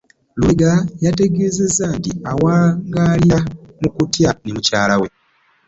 Lubega yategeezezza nti awangaalira mu kutya ne mukyala we